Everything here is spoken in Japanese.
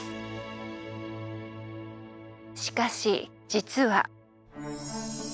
しかし実は。